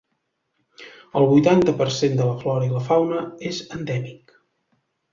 El vuitanta per cent de la flora i la fauna és endèmic.